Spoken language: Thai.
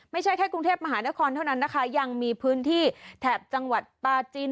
ไม่ใช่แค่กรุงเทพมหานครเท่านั้นนะคะยังมีพื้นที่แถบจังหวัดปลาจีน